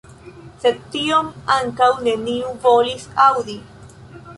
Sed tion ankaŭ neniu volis aŭdi.